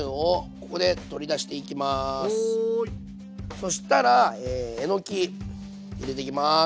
そしたらえのき入れていきます。